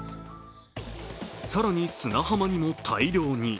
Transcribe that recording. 更に砂浜にも大量に。